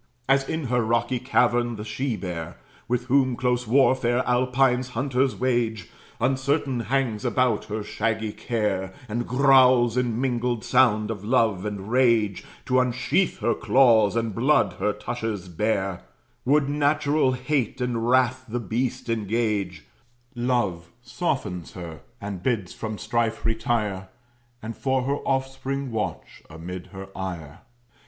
As in her rocky cavern the she bear, With whom close warfare Alpine hunters wage, Uncertain hangs about her shaggy care, And growls in mingled sound of love and rage, To unsheath her claws, and blood her tushes bare, Would natural hate and wrath the beast engage; Love softens her, and bids from strife retire, And for her offspring watch, amid her ire.